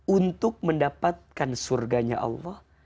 untuk mendapatkan surganya allah